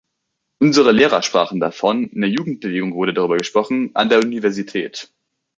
Unsere Lehrer sprachen davon, in der Jugendbewegung wurde darüber gesprochen, an der Universität.